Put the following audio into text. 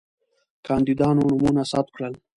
کاندیدانو نومونه ثبت کړل.